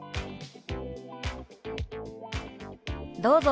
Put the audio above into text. どうぞ。